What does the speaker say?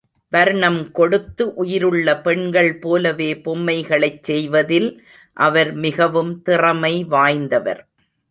வர்ணம் கொடுத்து உயிருள்ள பெண்கள் போலவே பொம்மைகளைச் செய்வதில் அவர் மிகவும் திறமை வாய்ந்தவர்.